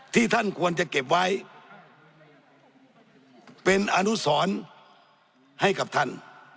ท่านควรจะเก็บไว้เป็นอนุสรให้กับท่าน